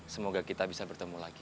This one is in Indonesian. semoga kita bisa bertemu lagi